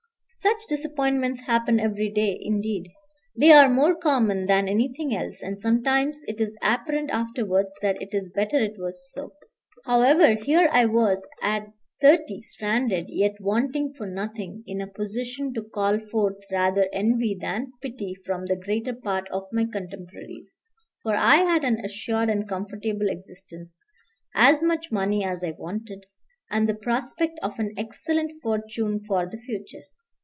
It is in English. Such disappointments happen every day; indeed, they are more common than anything else, and sometimes it is apparent afterwards that it is better it was so. However, here I was at thirty stranded, yet wanting for nothing, in a position to call forth rather envy than pity from the greater part of my contemporaries; for I had an assured and comfortable existence, as much money as I wanted, and the prospect of an excellent fortune for the future.